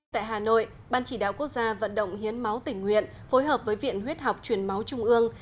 tại hà nội ban chỉ đạo quốc gia vận động hiến máu tỉnh nguyện phối hợp với viện huyết học truyền máu trung ương